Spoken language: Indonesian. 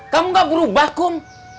kamu gak berubah kum